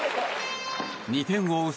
２点を追う